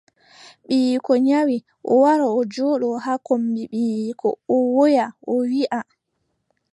Ɓiiyiiko nyawi, o wara o jooɗo haa kombi ɓiiyiiko o woya o wiiʼa.